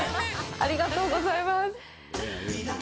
ありがとうございます。